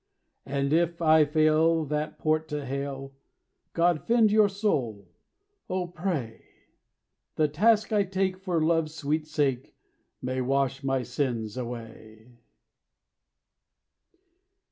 "And if I fail that port to hail, God fend my soul. Oh, pray! The task I take for love's sweet sake May wash some sins away."